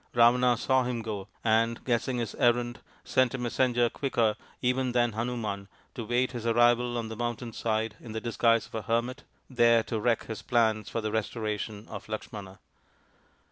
Ravana saw him go, and, guessing his errand, sent a messenger quicker ev^n than Hanuman to await his arrival on the mountain side in the disguise of a hermit there to wreck his plans for the restoration of Lakshmana.